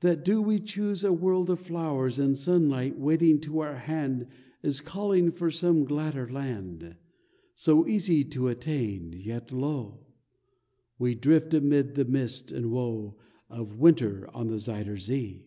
That do we choose a world of flowers And sunlight waiting to our hand Is calling for some gladder land, So easy to attain, yet lo! We drift amid the mist and woe Of winter on the Zuyder Zee.